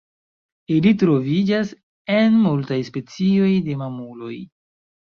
Ili troviĝas en multaj specioj de mamuloj.